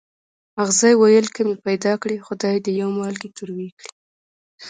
اغزي ویل که مې پیدا کړې خدای دې یو مالګی تروې کړي.